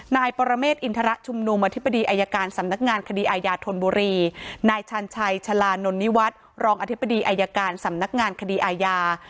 นายปรเมฆอินทรชุมนุมอธิบดีอายการสำนักงานคดีอาญาธนบุรีนายชันชัยชาลานนนิวัฒน์รองอธิบดีอายการสำนักงานคดีอาญา